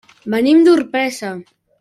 Venim d'Orpesa.